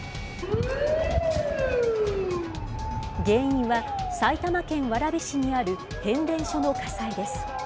原因は、埼玉県蕨市にある変電所の火災です。